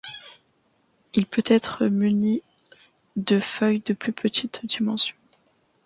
Il peut être muni de feuilles de plus petite dimension.